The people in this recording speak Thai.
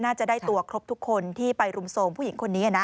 น่าจะได้ตัวครบทุกคนที่ไปรุมโทรมผู้หญิงคนนี้นะ